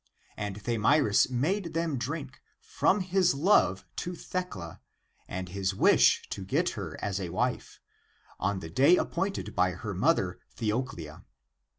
And Thamyris made them drink, from his love to Thecla, and his wish to get her as a wife <on the day appointed by her mother Theoclia>.